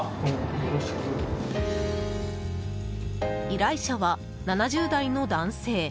依頼者は、７０代の男性。